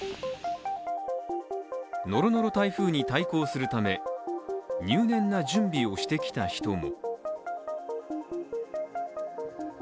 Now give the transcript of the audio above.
ノロノロ台風に対抗するため入念な準備をしてきた人も。